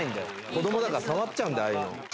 子供だから触っちゃうんだよああいうの。